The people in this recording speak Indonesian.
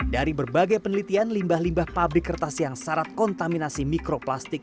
dari berbagai penelitian limbah limbah pabrik kertas yang syarat kontaminasi mikroplastik